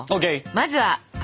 まずは油。